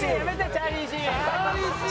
チャーリー・シーン。